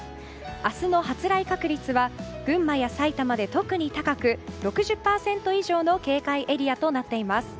明日の発雷確率は群馬や埼玉で特に高く６０％以上の警戒エリアとなっています。